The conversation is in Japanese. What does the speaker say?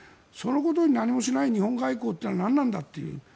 そのことに何もしない日本外交というのは何なんだと。